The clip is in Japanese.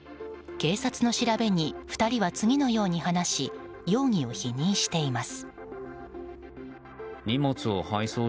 警察の調べに２人は次のように話し容疑を否認しています。